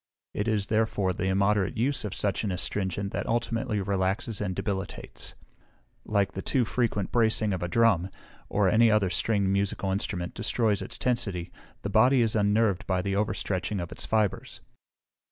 It is, therefore, the immoderate use of such an astringent that ultimately relaxes and debilitates: like the too frequent bracing of a drum, or any other stringed musical instrument, destroys its tensity, the body is unnerved by the overstretching of its fibres.